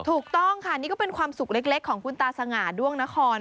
ถูกต้องค่ะนี่ก็เป็นความสุขเล็กของคุณตาสง่าด้วงนคร